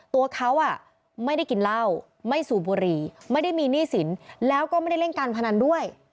ตัวเขาไม่ได้กินเหล้าไม่สูบบุรีไม่ได้มีหนี้สินแล้วก็ไม่ได้เล่นการพนันด้วย